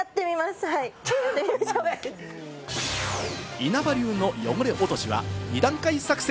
稲葉流の汚れ落としは２段階作戦。